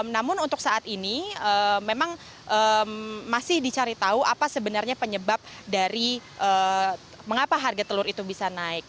namun untuk saat ini memang masih dicari tahu apa sebenarnya penyebab dari mengapa harga telur itu bisa naik